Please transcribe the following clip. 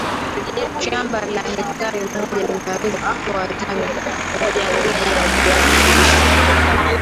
shamba la hekari moja linaweza kutoa tani mojambili ya vizi lishe